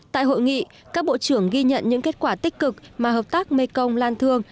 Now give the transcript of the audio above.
tại hội nghị các bộ trưởng ghi nhận những kết quả tích cực mà hợp tác mekong lan thương